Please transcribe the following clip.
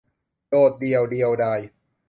โดดเดี่ยวเดียวดาย